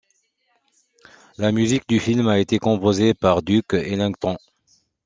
La musique du film a été composée par Duke Ellington.